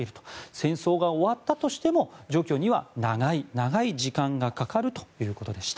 戦争が終わったとしても除去には長い長い時間がかかるということでした。